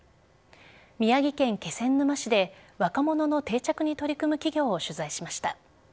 宮城県気仙沼市で若者の定着に取り組む企業を取材しました。